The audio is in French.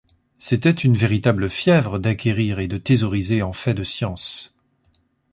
C’était une véritable fièvre d’acquérir et de thésauriser en fait de science.